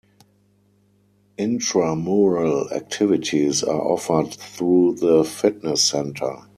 Intramural activities are offered through the fitness center.